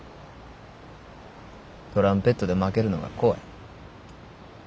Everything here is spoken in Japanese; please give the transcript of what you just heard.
トランペットで負けるのが怖い。